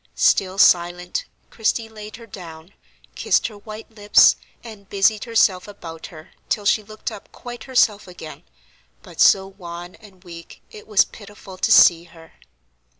Still silent, Christie laid her down, kissed her white lips, and busied herself about her till she looked up quite herself again, but so wan and weak, it was pitiful to see her.